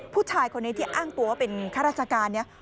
ผู้ชายคนนี้ที่อ้างตัวว่าเป็นข้าราชการนี้